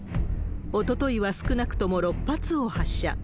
おとといは少なくとも６発を発射。